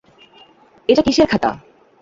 – এটা কিসের খাতা?